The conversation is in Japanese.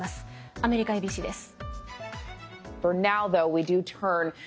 アメリカＡＢＣです。